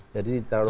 jadi terlalu kuat